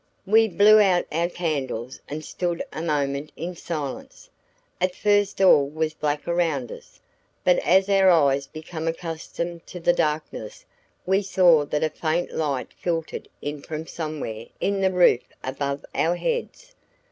We blew out our candles and stood a moment in silence. At first all was black around us, but as our eyes became accustomed to the darkness, we saw that a faint light filtered in from somewhere in the roof above our heads.